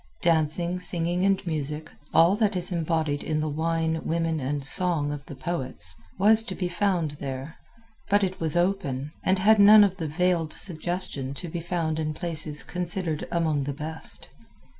Dancing, singing and music all that is embodied in the "wine, women and song" of the poets, was to be found there, but it was open, and had none of the veiled suggestion to be found in places considered among the best.